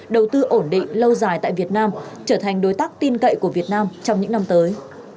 đầu tư ổn định lâu dài tại việt nam trở thành đối tác tin cậy của việt nam trong những năm tới